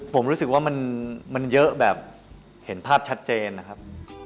ผมรู้สึกว่ามันเยอะแบบเห็นภาพชัดเจนนะครับ